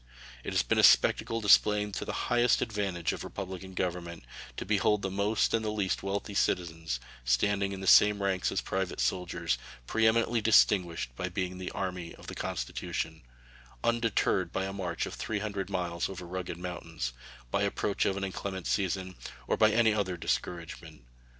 It has been a spectacle displaying to the highest advantage of republican government to behold the most and the least wealthy of our citizens standing in the same ranks as private soldiers, preeminently distinguished by being the army of the Constitution undeterred by a march of 300 miles over rugged mountains, by approach of an inclement season, or by any other discouragement.